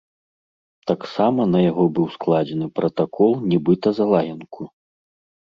Таксама на яго быў складзены пратакол нібыта за лаянку.